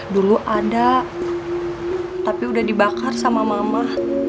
dulu ada tapi udah dibakar sama mama